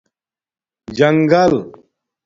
جݣگل